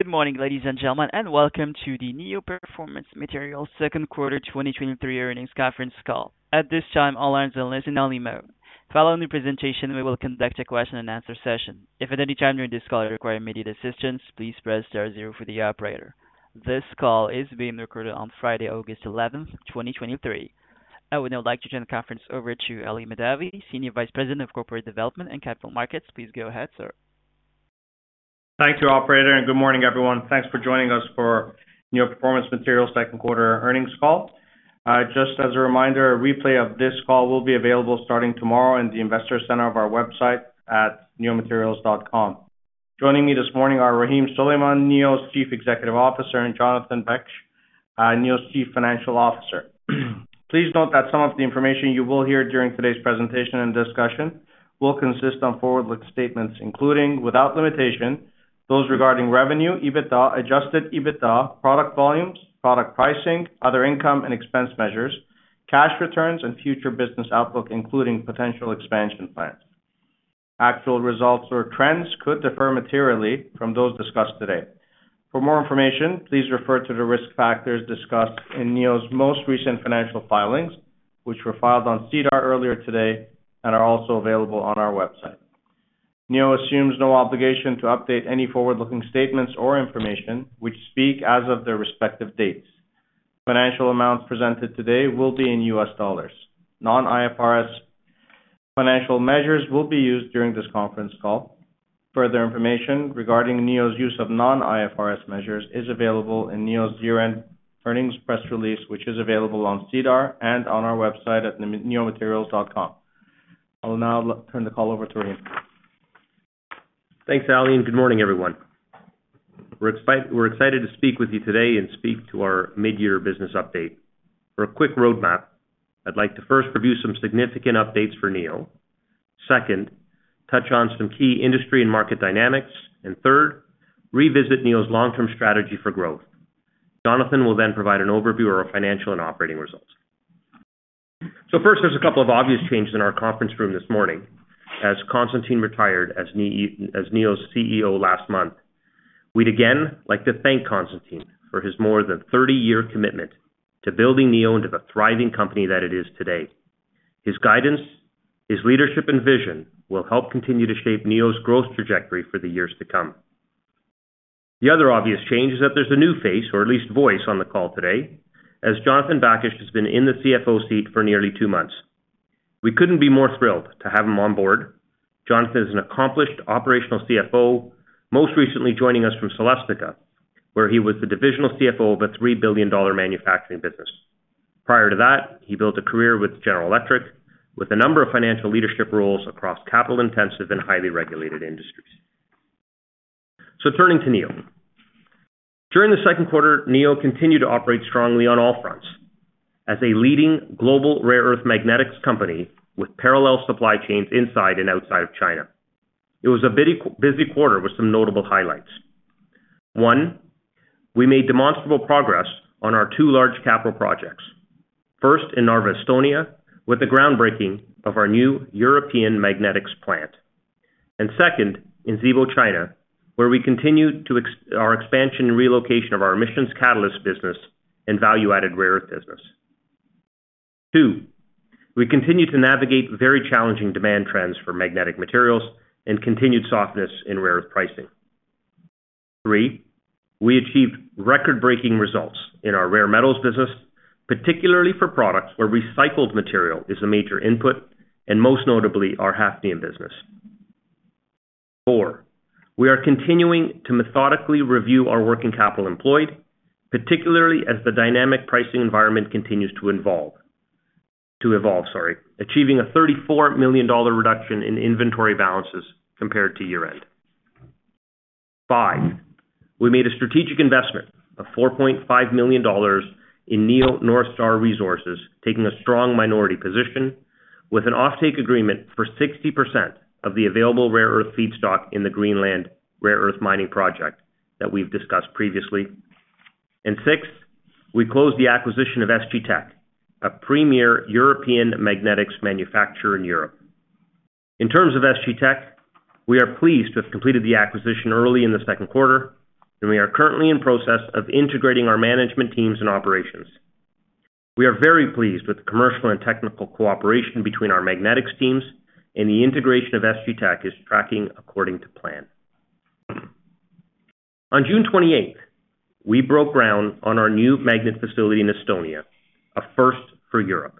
Good morning, ladies and gentlemen, and welcome to the Neo Performance Materials Q2 2023 earnings conference call. At this time, all lines are in listen-only mode. Following the presentation, we will conduct a question-and-answer session. If at any time during this call you require immediate assistance, please press star zero for the operator. This call is being recorded on Friday, August 11th, 2023. I would now like to turn the conference over to Ali Mahdavi, Senior Vice President of Corporate Development and Capital Markets. Please go ahead, sir. Thank you, operator. Good morning, everyone. Thanks for joining us for Neo Performance Materials Q2 earnings call. Just as a reminder, a replay of this call will be available starting tomorrow in the investor center of our website at neomaterials.com. Joining me this morning are Rahim Suleman, Neo's Chief Executive Officer, and Jonathan Baksh, Neo's Chief Financial Officer. Please note that some of the information you will hear during today's presentation and discussion will consist on forward-looking statements, including, without limitation, those regarding revenue, EBITDA, adjusted EBITDA, product volumes, product pricing, other income and expense measures, cash returns, and future business outlook, including potential expansion plans. Actual results or trends could differ materially from those discussed today. For more information, please refer to the risk factors discussed in Neo's most recent financial filings, which were filed on SEDAR earlier today and are also available on our website. Neo assumes no obligation to update any forward-looking statements or information which speak as of their respective dates. Financial amounts presented today will be in US dollars. Non-IFRS financial measures will be used during this conference call. Further information regarding Neo's use of non-IFRS measures is available in Neo's year-end earnings press release, which is available on SEDAR and on our website at neomaterials.com. I'll now turn the call over to Rahim. Thanks, Ali. Good morning, everyone. We're excited to speak with you today and speak to our mid-year business update. For a quick roadmap, I'd like to first review some significant updates for Neo. Second, touch on some key industry and market dynamics. Third, revisit Neo's long-term strategy for growth. Jonathan will provide an overview of our financial and operating results. First, there's a couple of obvious changes in our conference room this morning, as Constantine retired as Neo's CEO last month. We'd again like to thank Constantine for his more than 30-year commitment to building Neo into the thriving company that it is today. His guidance, his leadership, and vision will help continue to shape Neo's growth trajectory for the years to come. The other obvious change is that there's a new face, or at least voice, on the call today, as Jonathan Baksh has been in the CFO seat for nearly two months. We couldn't be more thrilled to have him on board. Jonathan is an accomplished operational CFO, most recently joining us from Celestica, where he was the divisional CFO of a $3 billion manufacturing business. Prior to that, he built a career with General Electric, with a number of financial leadership roles across capital-intensive and highly regulated industries. Turning to Neo. During the Q2, Neo continued to operate strongly on all fronts as a leading global rare earth magnetics company with parallel supply chains inside and outside of China. It was a busy quarter with some notable highlights. One, we made demonstrable progress on our two large capital projects. First, in Narva, Estonia, with the groundbreaking of our new European magnetics plant. Second, in Zibo, China, where we continued to our expansion and relocation of our emissions catalyst business and value-added rare earth business. Two, we continued to navigate very challenging demand trends for magnetic materials and continued softness in rare earth pricing. Three, we achieved record-breaking results in our rare metals business, particularly for products where recycled material is a major input, and most notably, our hafnium business. Four, we are continuing to methodically review our working capital employed, particularly as the dynamic pricing environment continues to evolve, sorry, achieving a $34 million reduction in inventory balances compared to year-end. Five we made a strategic investment of $4.5 million in Neo North Star Resources, taking a strong minority position with an offtake agreement for 60% of the available rare earth feedstock in the Greenland Rare Earth Mining Project that we've discussed previously. 6th, we closed the acquisition of SG Tech, a premier European magnetics manufacturer in Europe. In terms of SG Tech, we are pleased to have completed the acquisition early in Q2, and we are currently in process of integrating our management teams and operations. We are very pleased with the commercial and technical cooperation between our magnetics teams, and the integration of SG Tech is tracking according to plan. On June 28th, we broke ground on our new magnet facility in Estonia, a first for Europe.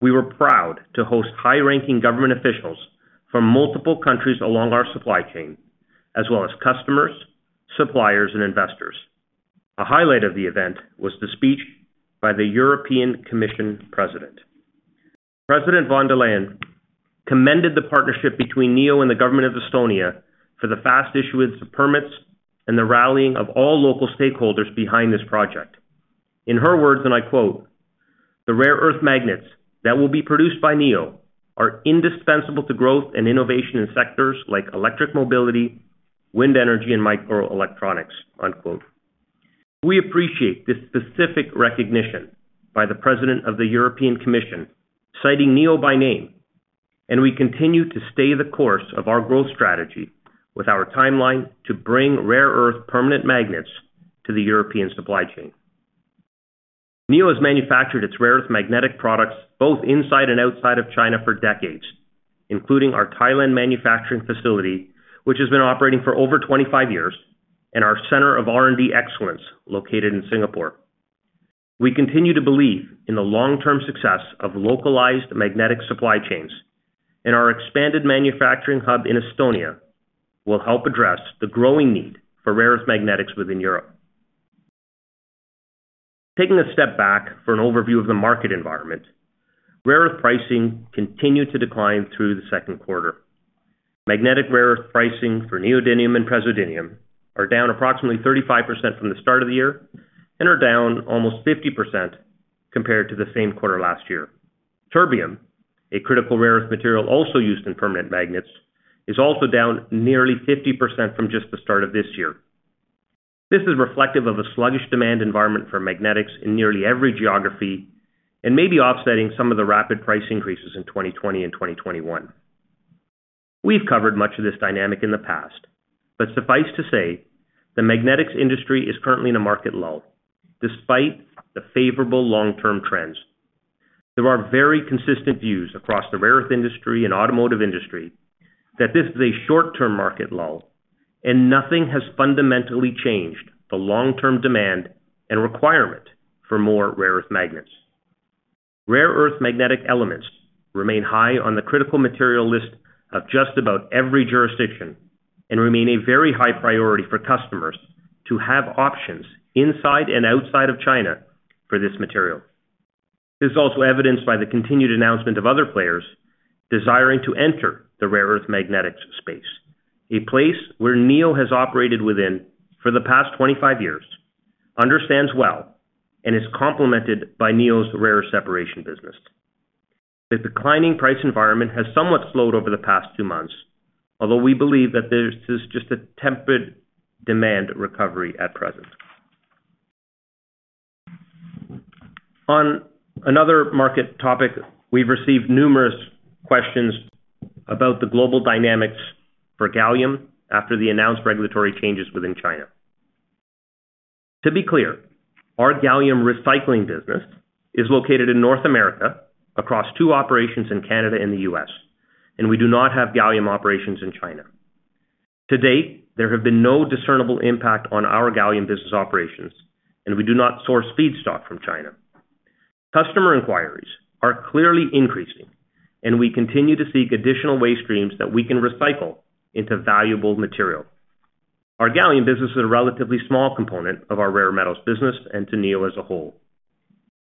We were proud to host high-ranking government officials from multiple countries along our supply chain, as well as customers, suppliers, and investors. A highlight of the event was the speech by the European Commission President. President von der Leyen commended the partnership between Neo and the government of Estonia for the fast issuance of permits and the rallying of all local stakeholders behind this project. In her words, and I quote, "The rare earth magnets that will be produced by Neo are indispensable to growth and innovation in sectors like electric mobility, wind energy, and microelectronics." unquote. We appreciate this specific recognition by the President of the European Commission, citing Neo by name, and we continue to stay the course of our growth strategy with our timeline to bring rare earth permanent magnets to the European supply chain. Neo has manufactured its rare earth magnetic products both inside and outside of China for decades, including our Thailand manufacturing facility, which has been operating for over 25 years, and our Center of R&D Excellence, located in Singapore. We continue to believe in the long-term success of localized magnetic supply chains, and our expanded manufacturing hub in Estonia will help address the growing need for rare earth magnetics within Europe. Taking a step back for an overview of the market environment, rare earth pricing continued to decline through the Q2. Magnetic rare earth pricing for Neodymium and Praseodymium are down approximately 35% from the start of the year and are down almost 50% compared to the same quarter last year. Terbium, a critical rare earth material also used in permanent magnets, is also down nearly 50% from just the start of this year. This is reflective of a sluggish demand environment for magnetics in nearly every geography and may be offsetting some of the rapid price increases in 2020 and 2021. We've covered much of this dynamic in the past, but suffice to say, the magnetics industry is currently in a market lull, despite the favorable long-term trends. There are very consistent views across the rare earth industry and automotive industry that this is a short-term market lull, and nothing has fundamentally changed the long-term demand and requirement for more rare earth magnets. Rare earth magnetic elements remain high on the critical material list of just about every jurisdiction and remain a very high priority for customers to have options inside and outside of China for this material. This is also evidenced by the continued announcement of other players desiring to enter the rare earth magnetics space, a place where Neo has operated within for the past 25 years, understands well, and is complemented by Neo's rare separation business. The declining price environment has somewhat slowed over the past two months, although we believe that this is just a tempered demand recovery at present. On another market topic, we've received numerous questions about the global dynamics for gallium after the announced regulatory changes within China. To be clear, our gallium recycling business is located in North America across two operations in Canada and the US, and we do not have gallium operations in China. To date, there have been no discernible impact on our gallium business operations, and we do not source feedstock from China. Customer inquiries are clearly increasing, and we continue to seek additional waste streams that we can recycle into valuable material. Our Gallium business is a relatively small component of our Rare Metals business and to Neo as a whole.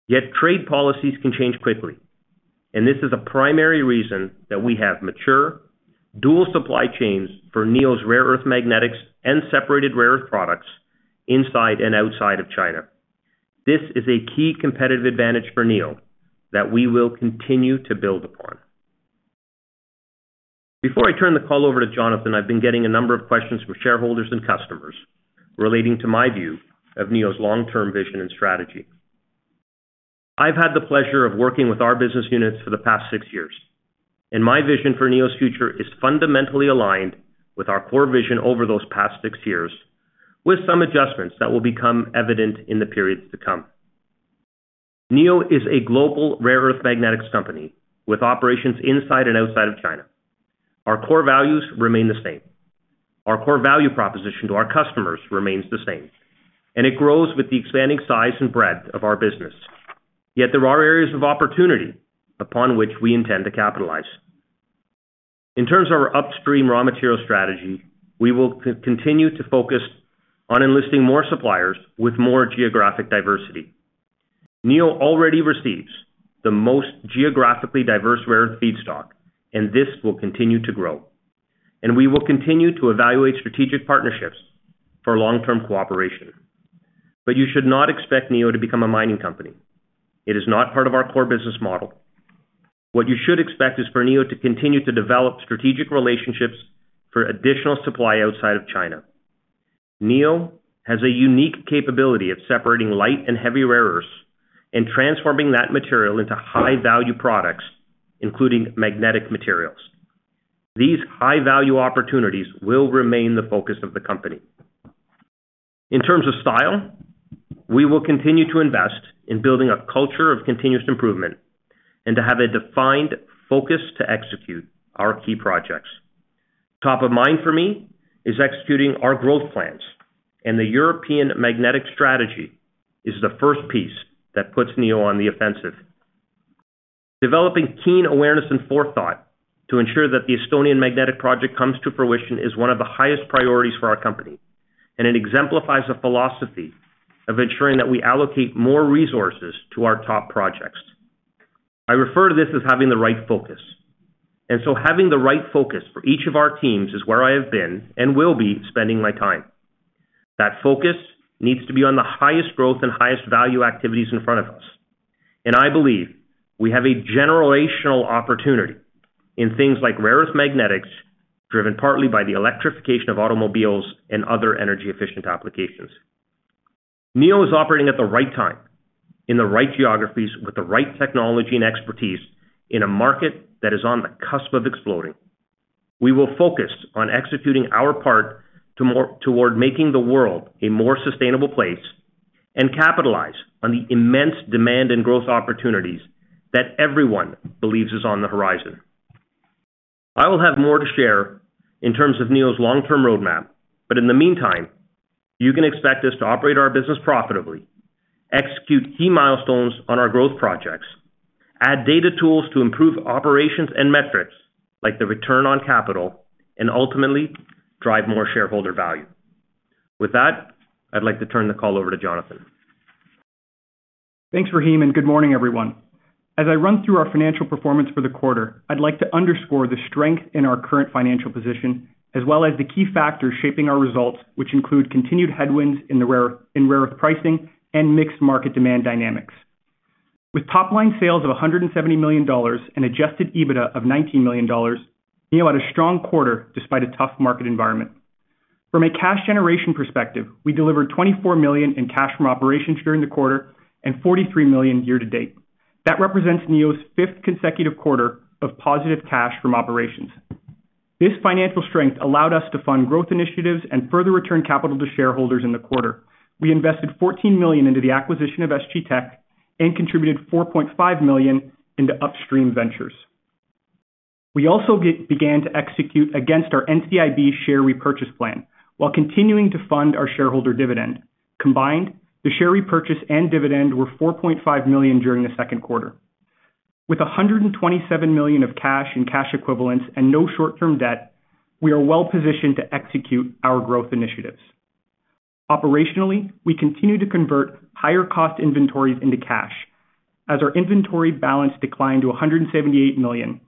Yet trade policies can change quickly, and this is a primary reason that we have mature dual supply chains for Neo's rare earth magnetics and separated rare earth products inside and outside of China. This is a key competitive advantage for Neo that we will continue to build upon. Before I turn the call over to Jonathan, I've been getting a number of questions from shareholders and customers relating to my view of Neo's long-term vision and strategy. I've had the pleasure of working with our business units for the past six years, and my vision for Neo's future is fundamentally aligned with our core vision over those past six years, with some adjustments that will become evident in the periods to come. Neo is a global rare earth magnetics company with operations inside and outside of China. Our core values remain the same. Our core value proposition to our customers remains the same, and it grows with the expanding size and breadth of our business. Yet there are areas of opportunity upon which we intend to capitalize. In terms of our upstream raw material strategy, we will continue to focus on enlisting more suppliers with more geographic diversity. Neo already receives the most geographically diverse rare earth feedstock, and this will continue to grow, and we will continue to evaluate strategic partnerships for long-term cooperation. You should not expect Neo to become a mining company. It is not part of our core business model. What you should expect is for Neo to continue to develop strategic relationships for additional supply outside of China. Neo has a unique capability of separating light and heavy rare earths and transforming that material into high-value products, including magnetic materials. These high-value opportunities will remain the focus of the company. In terms of style, we will continue to invest in building a culture of continuous improvement and to have a defined focus to execute our key projects. Top of mind for me is executing our growth plans, and the European magnetic strategy is the first piece that puts Neo on the offensive. Developing keen awareness and forethought to ensure that the Estonian magnet project comes to fruition is one of the highest priorities for our company, and it exemplifies a philosophy of ensuring that we allocate more resources to our top projects. I refer to this as having the right focus, and so having the right focus for each of our teams is where I have been and will be spending my time. That focus needs to be on the highest growth and highest value activities in front of us. I believe we have a generational opportunity in things like rare earth magnetics, driven partly by the electrification of automobiles and other energy-efficient applications. Neo is operating at the right time, in the right geographies, with the right technology and expertise, in a market that is on the cusp of exploding. We will focus on executing our part toward making the world a more sustainable place, capitalize on the immense demand and growth opportunities that everyone believes is on the horizon. I will have more to share in terms of Neo's long-term roadmap, in the meantime, you can expect us to operate our business profitably, execute key milestones on our growth projects, add data tools to improve operations and metrics, like the return on capital, and ultimately, drive more shareholder value. With that, I'd like to turn the call over to Jonathan. Thanks, Rahim. Good morning, everyone. As I run through our financial performance for the quarter, I'd like to underscore the strength in our current financial position, as well as the key factors shaping our results, which include continued headwinds in rare earth pricing and mixed market demand dynamics. With top-line sales of $170 million and adjusted EBITDA of $19 million, Neo had a strong quarter despite a tough market environment. From a cash generation perspective, we delivered $24 million in cash from operations during the quarter and $43 million year to date. That represents Neo's fifth consecutive quarter of positive cash from operations. This financial strength allowed us to fund growth initiatives and further return capital to shareholders in the quarter. We invested $14 million into the acquisition of SG Tech and contributed $4.5 million into upstream ventures. We also began to execute against our NCIB share repurchase plan, while continuing to fund our shareholder dividend. Combined, the share repurchase and dividend were $4.5 million during the Q2. With $127 million of cash and cash equivalents and no short-term debt, we are well positioned to execute our growth initiatives. Operationally, we continue to convert higher cost inventories into cash, as our inventory balance declined to $178 million,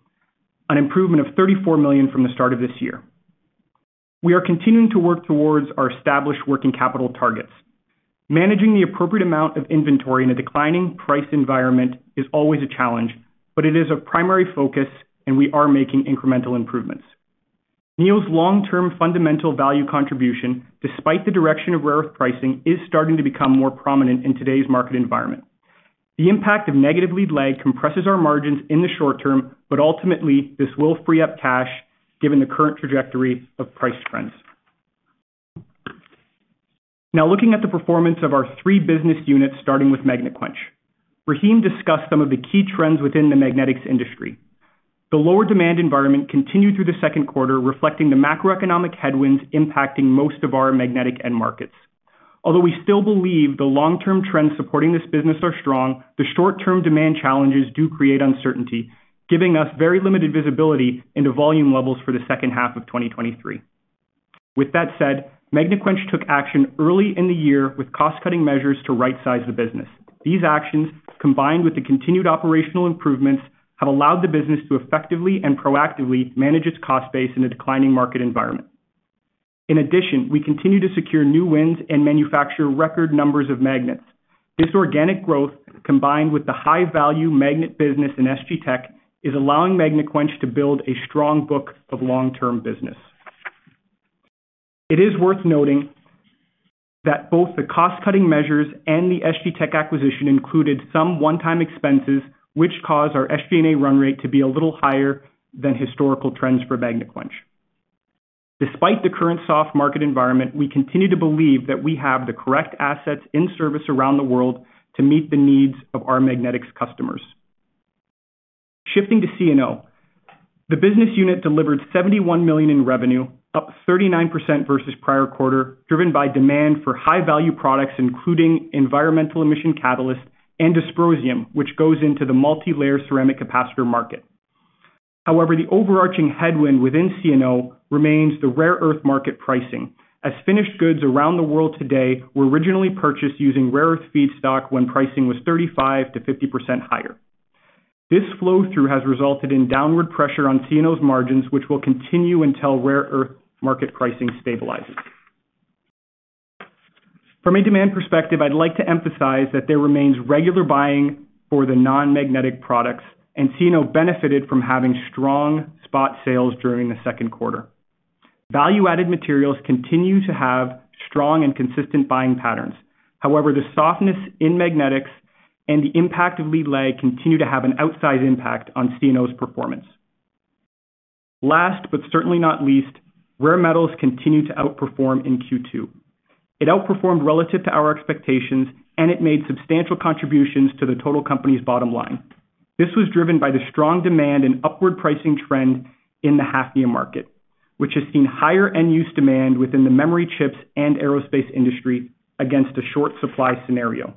an improvement of $34 million from the start of this year. We are continuing to work towards our established working capital targets. Managing the appropriate amount of inventory in a declining price environment is always a challenge, but it is a primary focus, and we are making incremental improvements. Neo's long-term fundamental value contribution, despite the direction of rare earth pricing, is starting to become more prominent in today's market environment. The impact of lead-lag compresses our margins in the short term. Ultimately, this will free up cash, given the current trajectory of price trends. Looking at the performance of our three business units, starting with Magnequench. Rahim discussed some of the key trends within the magnetics industry. The lower demand environment continued through the Q2, reflecting the macroeconomic headwinds impacting most of our magnetic end markets. We still believe the long-term trends supporting this business are strong, the short-term demand challenges do create uncertainty, giving us very limited visibility into volume levels for the second half of 2023. Magnequench took action early in the year with cost-cutting measures to rightsize the business. These actions, combined with the continued operational improvements, have allowed the business to effectively and proactively manage its cost base in a declining market environment. In addition, we continue to secure new wins and manufacture record numbers of magnets. This organic growth, combined with the high-value magnet business in SGTec, is allowing Magnequench to build a strong book of long-term business. It is worth noting that both the cost-cutting measures and the SGTec acquisition included some one-time expenses, which caused our SG&A run rate to be a little higher than historical trends for Magnequench. Despite the current soft market environment, we continue to believe that we have the correct assets in service around the world to meet the needs of our magnetics customers. Shifting to CNO. The business unit delivered $71 million in revenue, up 39% versus prior quarter, driven by demand for high-value products, including environmental emission catalysts and Dysprosium, which goes into the multilayer ceramic capacitor market. The overarching headwind within Neo remains the rare earth market pricing, as finished goods around the world today were originally purchased using rare earth feedstock when pricing was 35% to 50% higher. This flow-through has resulted in downward pressure on Neo's margins, which will continue until rare earth market pricing stabilizes. From a demand perspective, I'd like to emphasize that there remains regular buying for the non-magnetic products, and Neo benefited from having strong spot sales during the Q2. Value-added materials continue to have strong and consistent buying patterns. The softness in magnetics and the impact of lead-lag continue to have an outsized impact on Neo's performance. Last, but certainly not least, rare metals continue to outperform in Q2. It outperformed relative to our expectations, and it made substantial contributions to the total company's bottom line. This was driven by the strong demand and upward pricing trend in the hafnium market, which has seen higher end-use demand within the memory chips and aerospace industry against a short supply scenario.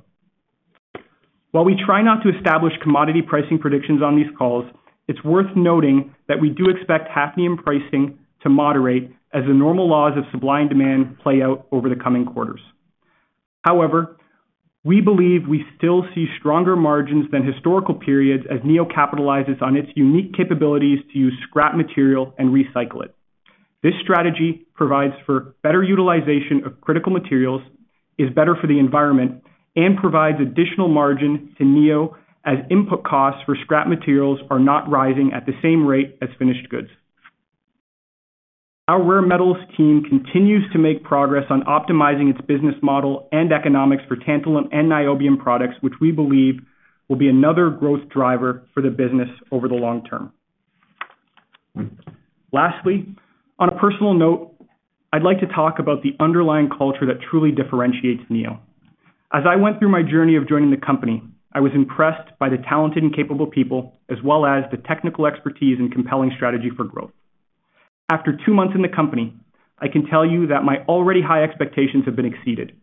While we try not to establish commodity pricing predictions on these calls, it's worth noting that we do expect hafnium pricing to moderate as the normal laws of supply and demand play out over the coming quarters. However, we believe we still see stronger margins than historical periods as Neo capitalizes on its unique capabilities to use scrap material and recycle it. This strategy provides for better utilization of critical materials, is better for the environment, and provides additional margin to Neo as input costs for scrap materials are not rising at the same rate as finished goods. Our Rare Metals team continues to make progress on optimizing its business model and economics for tantalum and niobium products, which we believe will be another growth driver for the business over the long term. Lastly, on a personal note, I'd like to talk about the underlying culture that truly differentiates Neo. As I went through my journey of joining the company, I was impressed by the talented and capable people, as well as the technical expertise and compelling strategy for growth. After two months in the company, I can tell you that my already high expectations have been exceeded.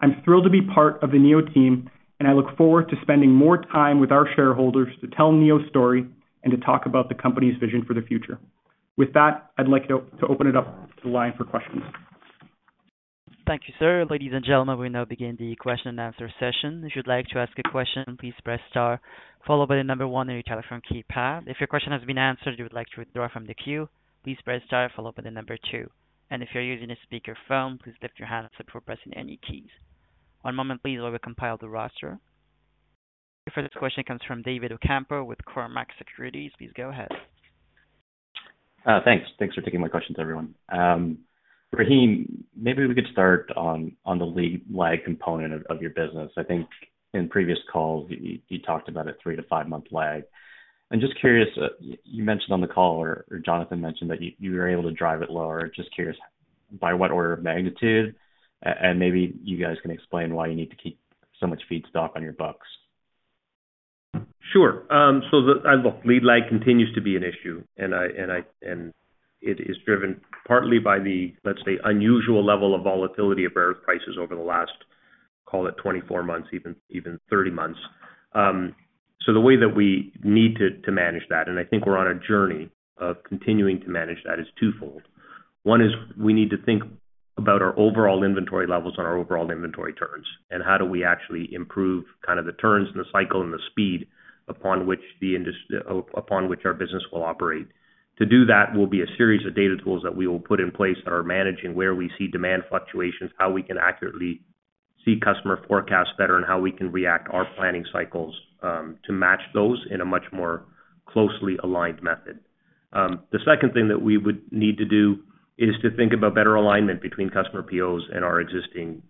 I'm thrilled to be part of the Neo team, and I look forward to spending more time with our shareholders to tell Neo's story and to talk about the company's vision for the future. With that, I'd like to open it up to the line for questions. Thank you, sir. Ladies and gentlemen, we now begin the question and answer session. If you'd like to ask a question, please press star one on your telephone keypad. If your question has been answered, you would like to withdraw from the queue, please press star two. If you're using a speakerphone, please lift your hand up before pressing any keys. One moment please while we compile the roster. The first question comes from David Ocampo with Cormark Securities. Please go ahead. Thanks. Thanks for taking my questions, everyone. Rahim, maybe we could start on the lead-lag component of your business. I think in previous calls, you, you talked about a three to five month lag. I'm just curious, you mentioned on the call or Jonathan mentioned that you, you were able to drive it lower. Just curious, by what order of magnitude, and maybe you guys can explain why you need to keep so much feedstock on your books. Sure. Look, lead-lag continues to be an issue, and it is driven partly by the, let's say, unusual level of volatility of rare earth prices over the last, call it 24 months, even, even 30 months. The way that we need to, to manage that, and I think we're on a journey of continuing to manage that, is twofold. One is we need to think about our overall inventory levels and our overall inventory turns, and how do we actually improve kind of the turns and the cycle and the speed upon which our business will operate. To do that will be a series of data tools that we will put in place that are managing where we see demand fluctuations, how we can accurately see customer forecasts better, and how we can react our planning cycles to match those in a much more closely aligned method. The second thing that we would need to do is to think about better alignment between customer POs and our existing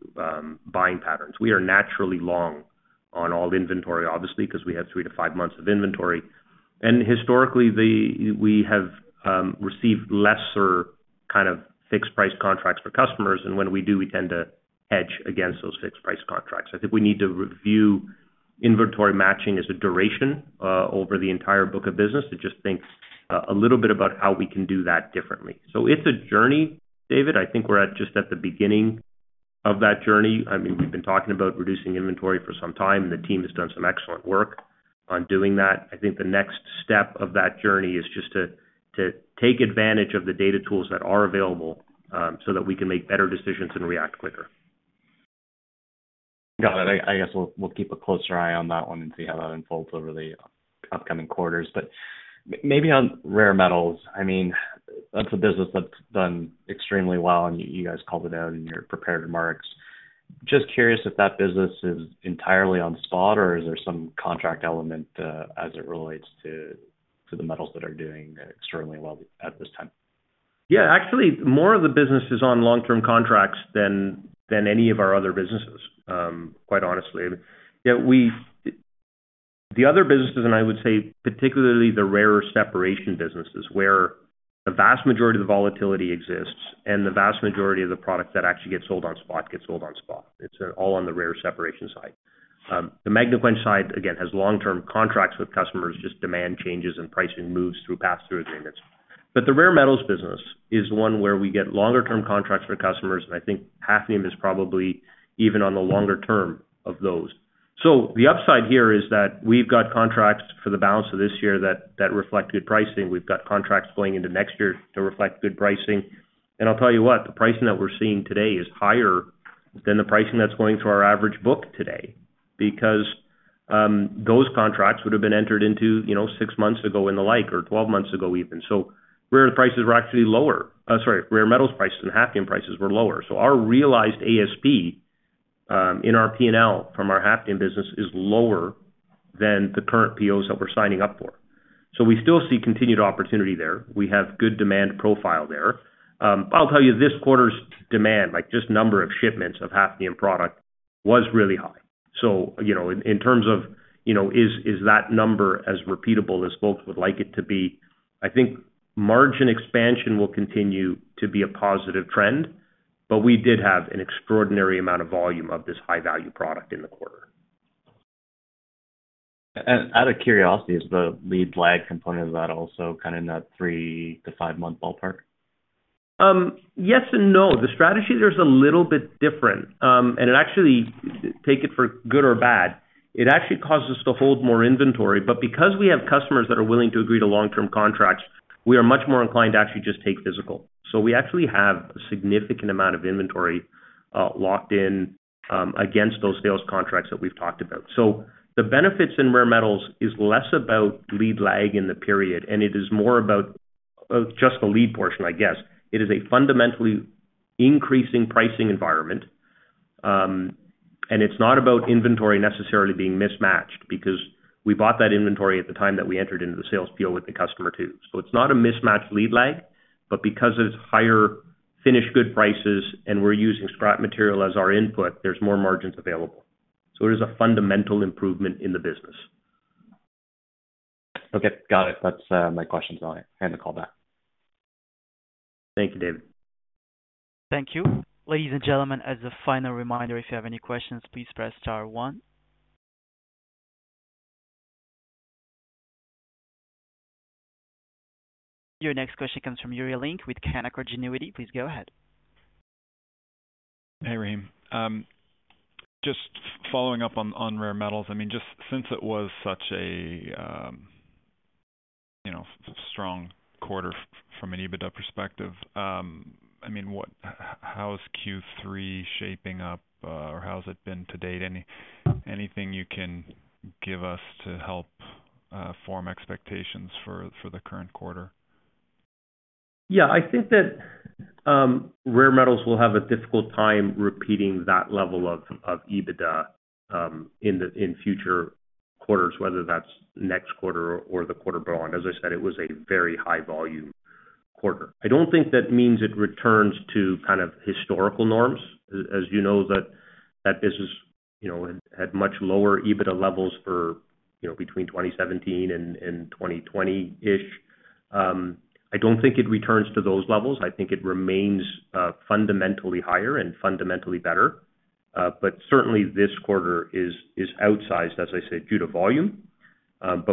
buying patterns. We are naturally long on all inventory, obviously, because we have three to five months of inventory. Historically, the, we have received lesser kind of fixed price contracts for customers, and when we do, we tend to hedge against those fixed price contracts. I think we need to review inventory matching as a duration, over the entire book of business, to just think, a little bit about how we can do that differently. It's a journey, David. I think we're at just at the beginning of that journey. I mean, we've been talking about reducing inventory for some time, and the team has done some excellent work on doing that. I think the next step of that journey is just to take advantage of the data tools that are available, so that we can make better decisions and react quicker. Got it. I, I guess we'll, we'll keep a closer eye on that one and see how that unfolds over the upcoming quarters. Maybe on rare metals, I mean, that's a business that's done extremely well, and you guys called it out in your prepared remarks. Just curious if that business is entirely on spot, or is there some contract element, as it relates to, to the metals that are doing extremely well at this time? Actually, more of the business is on long-term contracts than, than any of our other businesses, quite honestly. The other businesses, and I would say particularly the rare separation businesses, where the vast majority of the volatility exists and the vast majority of the product that actually gets sold on spot gets sold on spot. It's all on the rare separation side. The Magnequench side, again, has long-term contracts with customers, just demand changes and pricing moves through pass-through agreements. The rare metals business is one where we get longer-term contracts for customers, and I think Hafnium is probably even on the longer term of those. The upside here is that we've got contracts for the balance of this year that, that reflect good pricing. We've got contracts going into next year to reflect good pricing. I'll tell you what, the pricing that we're seeing today is higher than the pricing that's going through our average book today, because those contracts would have been entered into, you know, six months ago and the like, or 12 months ago, even. Rare prices were actually lower. Sorry, rare metals prices and hafnium prices were lower. Our realized ASP in our P&L from our hafnium business is lower than the current POs that we're signing up for. We still see continued opportunity there. We have good demand profile there. I'll tell you, this quarter's demand, like, just number of shipments of hafnium product, was really high. You know, in, in terms of, you know, is, is that number as repeatable as folks would like it to be? I think margin expansion will continue to be a positive trend, but we did have an extraordinary amount of volume of this high-value product in the quarter. Out of curiosity, is the lead-lag component of that also kind of in that three to five month ballpark? Yes and no. The strategy there is a little bit different, and it actually, take it for good or bad, it actually causes us to hold more inventory. Because we have customers that are willing to agree to long-term contracts, we are much more inclined to actually just take physical. We actually have a significant amount of inventory, locked in-. against those sales contracts that we've talked about. The benefits in Rare Metals is less about lead-lag in the period, and it is more about just the lead portion, I guess. It is a fundamentally increasing pricing environment, and it's not about inventory necessarily being mismatched because we bought that inventory at the time that we entered into the sales deal with the customer, too. It's not a mismatched lead-lag, but because it's higher finished good prices and we're using scrap material as our input, there's more margins available. It is a fundamental improvement in the business. Okay, got it. That's my questions on it. End the call back. Thank you, David. Thank you. Ladies and gentlemen, as a final reminder, if you have any questions, please press star one. Your next question comes from Yuri Lynk with Canaccord Genuity. Please go ahead. Hey, Rahim. Just following up on Rare Metals, I mean, just since it was such a, you know, strong quarter from an EBITDA perspective, I mean, how is Q3 shaping up, or how has it been to date? Anything you can give us to help form expectations for the current quarter? Yeah, I think that Rare Metals will have a difficult time repeating that level of EBITDA in future quarters, whether that's next quarter or the quarter beyond. As I said, it was a very high volume quarter. I don't think that means it returns to kind of historical norms. As you know, that business, you know, had much lower EBITDA levels for, you know, between 2017 and 2020-ish. I don't think it returns to those levels. I think it remains fundamentally higher and fundamentally better. Certainly this quarter is outsized, as I said, due to volume.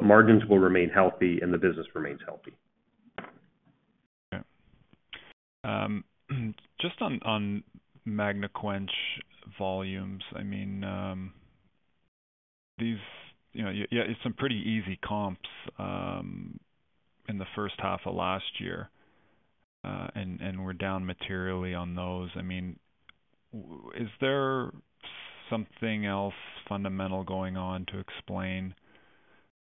Margins will remain healthy and the business remains healthy. Okay. Just on, on Magnequench volumes, I mean, these, you know, yeah, it's some pretty easy comps, in the first half of last year, and, and we're down materially on those. I mean, is there something else fundamental going on to explain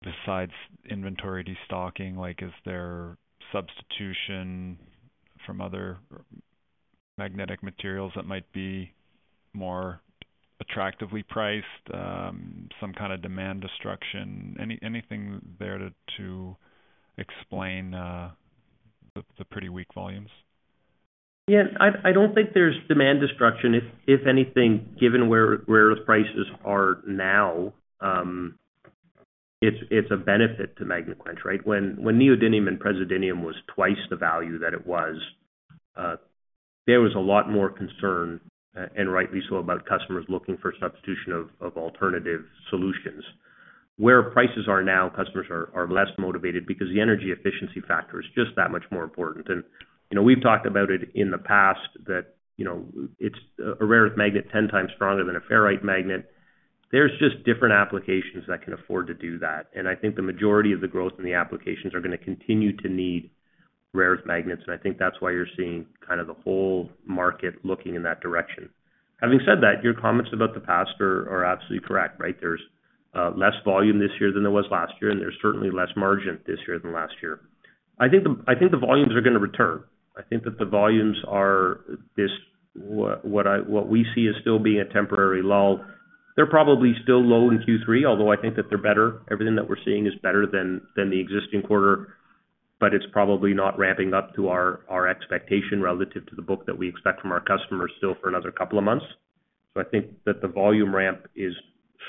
besides inventory destocking? Like, is there substitution from other magnetic materials that might be more attractively priced, some kind of demand destruction? Anything there to, to explain, the, the pretty weak volumes? Yeah, I, I don't think there's demand destruction. If, if anything, given where, where prices are now, it's, it's a benefit to Magnequench, right? When, when Neodymium and Praseodymium was 2x the value that it was, there was a lot more concern, rightly so, about customers looking for substitution of, of alternative solutions. Where prices are now, customers are, are less motivated because the energy efficiency factor is just that much more important. You know, we've talked about it in the past that, you know, it's a rare earth magnet, 10x stronger than a ferrite magnet. There's just different applications that can afford to do that, I think the majority of the growth in the applications are going to continue to need rare earth magnets. I think that's why you're seeing kind of the whole market looking in that direction. Having said that, your comments about the past are absolutely correct, right? There's less volume this year than there was last year, and there's certainly less margin this year than last year. I think the volumes are going to return. I think that the volumes are what we see as still being a temporary lull. They're probably still low in Q3, although I think that they're better. Everything that we're seeing is better than the existing quarter, but it's probably not ramping up to our expectation relative to the book that we expect from our customers still for another couple of months. I think that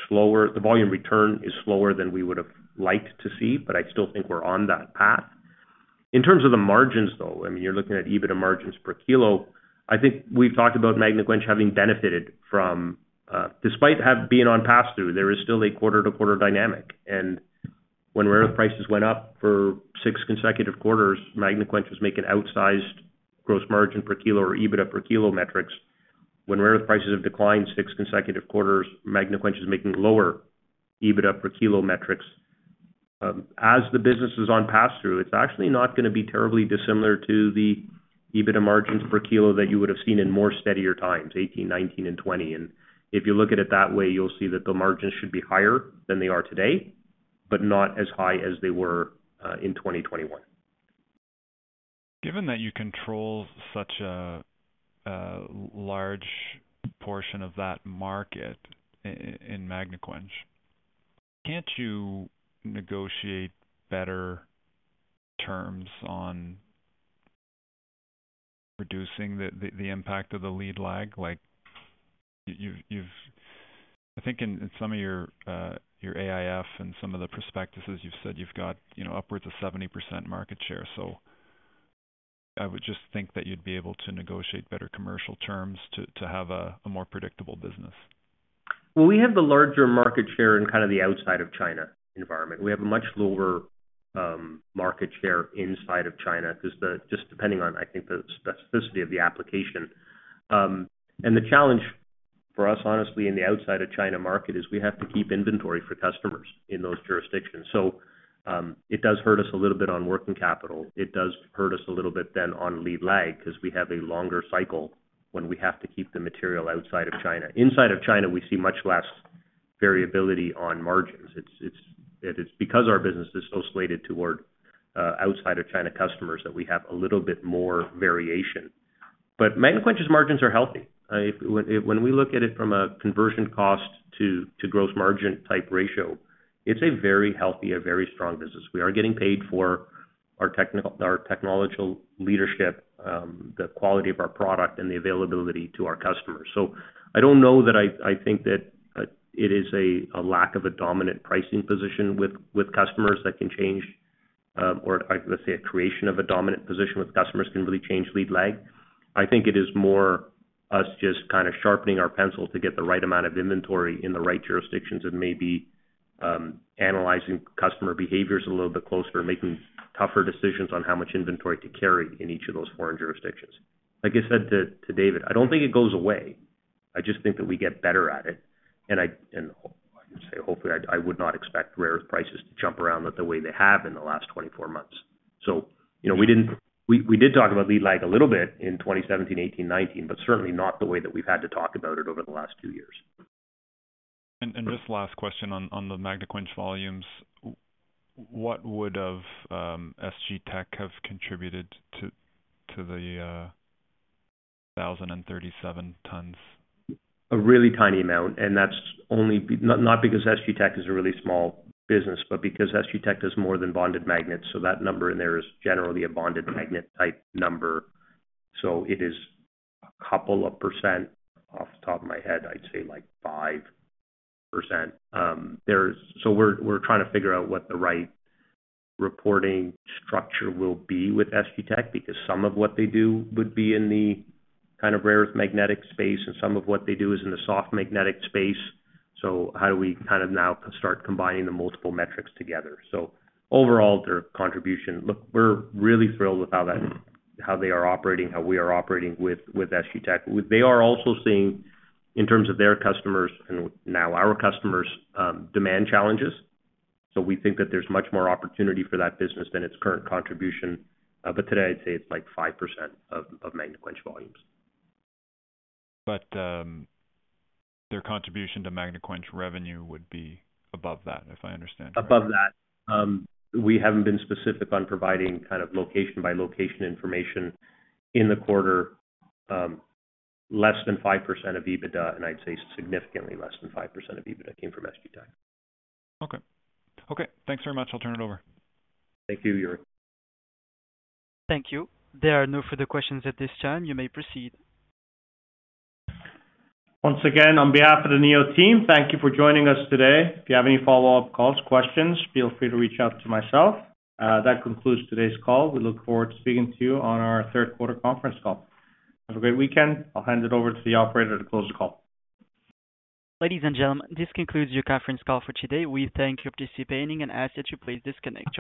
the volume return is slower than we would have liked to see, but I still think we're on that path. In terms of the margins, though, I mean, you're looking at EBITDA margins per kilo. I think we've talked about Magnequench having benefited from, despite have being on pass-through, there is still a quarter-to-quarter dynamic, and when rare prices went up for 6 consecutive quarters, Magnequench was making outsized gross margin per kilo or EBITDA per kilo metrics. When rare prices have declined six consecutive quarters, Magnequench is making lower EBITDA per kilo metrics. As the business is on pass-through, it's actually not going to be terribly dissimilar to the EBITDA margins per kilo that you would have seen in more steadier times, 2018, 2019 and 2020. If you look at it that way, you'll see that the margins should be higher than they are today, but not as high as they were in 2021. Given that you control such a, a large portion of that market in Magnequench, can't you negotiate better terms on reducing the, the, the impact of the lead-lag? Like, you've I think in, in some of your, your AIF and some of the prospectuses, you've said you've got, you know, upwards of 70% market share. I would just think that you'd be able to negotiate better commercial terms to, to have a, a more predictable business. Well, we have the larger market share in kind of the outside of China environment. We have a much lower market share inside of China, depending on, I think, the specificity of the application. The challenge for us, honestly, in the outside of China market is we have to keep inventory for customers in those jurisdictions. It does hurt us a little bit on working capital. It does hurt us a little bit then on lead-lag, because we have a longer cycle when we have to keep the material outside of China. Inside of China, we see much less variability on margins. It's, it's, it is because our business is so slated toward outside of China customers, that we have a little bit more variation. Magnequench's margins are healthy. When, when we look at it from a conversion cost to, to gross margin type ratio, it's a very healthy, a very strong business. We are getting paid for our technical, our technological leadership, the quality of our product, and the availability to our customers. I don't know that I, I think that, it is a, a lack of a dominant pricing position with, with customers that can change, or let's say, a creation of a dominant position with customers can really change lead-lag. I think it is more us just kind of sharpening our pencil to get the right amount of inventory in the right jurisdictions, and maybe, analyzing customer behaviors a little bit closer, making tougher decisions on how much inventory to carry in each of those foreign jurisdictions. Like I said to, to David, I don't think it goes away. I just think that we get better at it, and I, and I would say, hopefully, I, I would not expect rare earth prices to jump around the way they have in the last 24 months. You know, we didn't, we did talk about lead-lag a little bit in 2017, 2018, 2019, but certainly not the way that we've had to talk about it over the last two years. Just last question on, on the Magnequench volumes, what would of SGTec have contributed to the 1,037 tons? A really tiny amount, and that's only not, not because SG Tech is a really small business, but because SG Tech does more than bonded magnets, so that number in there is generally a bonded magnet type number. It is a couple of percent. Off the top of my head, I'd say, like, 5%. There's, we're trying to figure out what the right reporting structure will be with SG Tech, because some of what they do would be in the kind of rare earth magnetic space, and some of what they do is in the soft magnetic space. How do we kind of now start combining the multiple metrics together? Overall, their contribution. Look, we're really thrilled with how that, how they are operating, how we are operating with, with SG Tech. They are also seeing, in terms of their customers and now our customers, demand challenges. We think that there's much more opportunity for that business than its current contribution. Today, I'd say it's like 5% of Magnequench volumes. Their contribution to Magnequench revenue would be above that, if I understand correctly? Above that. We haven't been specific on providing kind of location-by-location information in the quarter. Less than 5% of EBITDA, and I'd say significantly less than 5% of EBITDA came from SG Tech. Okay. Okay, thanks very much. I'll turn it over. Thank you, Yuri. Thank you. There are no further questions at this time. You may proceed. Once again, on behalf of the Neo team, thank you for joining us today. If you have any follow-up calls, questions, feel free to reach out to myself. That concludes today's call. We look forward to speaking to you on our Q3 conference call. Have a great weekend. I'll hand it over to the operator to close the call. Ladies and gentlemen, this concludes your conference call for today. We thank you for participating and ask that you please disconnect.